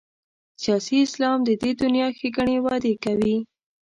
سیاسي اسلام د دې دنیا ښېګڼې وعدې کوي.